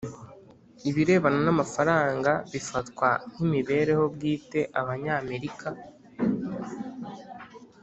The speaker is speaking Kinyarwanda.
Ibirebana n amafaranga bifatwa nk imibereho bwite Abanyamerika